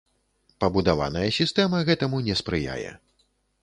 Пабудаваная сістэма гэтаму не спрыяе.